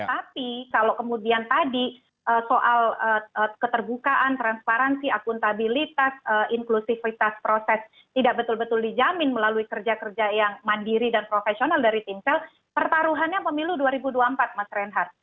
tapi kalau kemudian tadi soal keterbukaan transparansi akuntabilitas inklusifitas proses tidak betul betul dijamin melalui kerja kerja yang mandiri dan profesional dari timsel pertaruhannya pemilu dua ribu dua puluh empat mas reinhardt